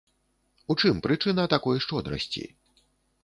У чым прычына такой шчодрасці?